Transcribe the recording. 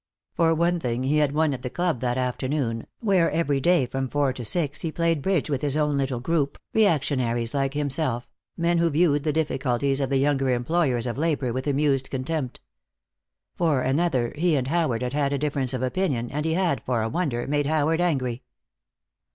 For one thing, he had won at the club that afternoon, where every day from four to six he played bridge with his own little group, reactionaries like himself, men who viewed the difficulties of the younger employers of labor with amused contempt. For another, he and Howard had had a difference of opinion, and he had, for a wonder, made Howard angry.